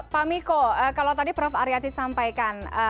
pak miko kalau tadi prof aryati sampaikan